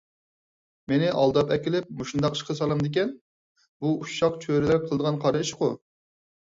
مېنى ئالداپ ئەكېلىپ مۇشۇنداق ئىشقا سالامدىكەن؟ بۇ ئۇششاق چۆرىلەر قىلىدىغان قارا ئىشقۇ!